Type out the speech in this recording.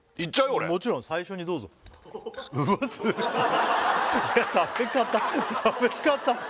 俺もちろん最初にどうぞうわっすっげ食べ方食べ方